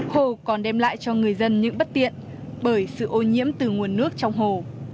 hồ còn đem lại cho người dân những bất tiện bởi sự ô nhiễm từ nguồn nước trong hồ